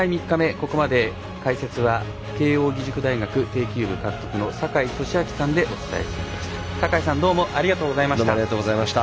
ここまで解説は慶応義塾大学庭球部監督の坂井利彰さんでお伝えしました。